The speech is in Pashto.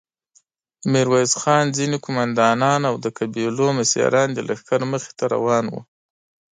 ميرويس خان، ځينې قوماندانان او د قبيلو مشران د لښکر مخې ته روان ول.